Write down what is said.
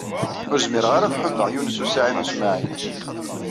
Ur zmireɣ ara ad ḥuddeɣ Yunes u Saɛid u Smaɛil.